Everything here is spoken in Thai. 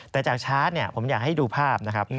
แต่จากชาร์จผมอยากให้ดูภาพนะครับ